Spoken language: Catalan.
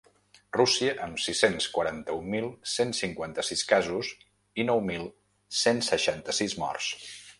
Rússia, amb sis-cents quaranta-un mil cent cinquanta-sis casos i nou mil cent seixanta-sis morts.